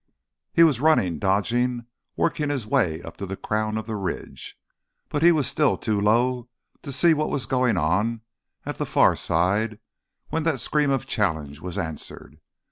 He was running, dodging, working his way up to the crown of the ridge. But he was still too low to see what was going on at the far side when that scream of challenge was answered.